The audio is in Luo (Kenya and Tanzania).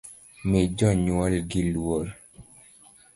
Mi jonywolgi luorr